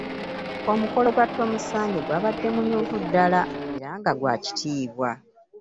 Omukolo gwa Tomusange gwabadde munyuvu ddala era gwa kitiibwa.